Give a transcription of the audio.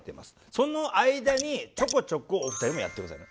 その間にちょこちょこお二人もやって下さいね。